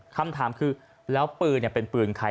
คำถามคือแล้วปืนเป็นปืนใคร